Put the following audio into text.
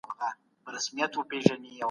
څه شی د کار ځای په منظمولو کي مرسته کوي؟